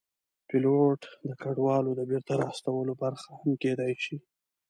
پیلوټ د کډوالو د بېرته راوستلو برخه هم کېدی شي.